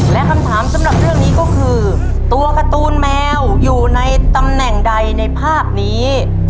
และคำถามสำหรับเรื่องนี้ก็คือตัวการ์ตูนแมวอยู่ในตำแหน่งใดในภาพนี้